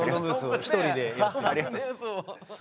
ありがとうございます。